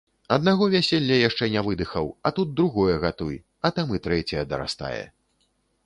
Аднаго вяселля яшчэ не выдыхаў, а тут другое гатуй, а там і трэцяе дарастае.